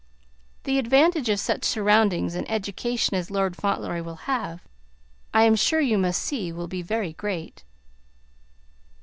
The advantage of such surroundings and education as Lord Fauntleroy will have, I am sure you must see, will be very great."